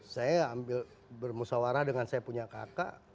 saya ambil bermusawarah dengan saya punya kakak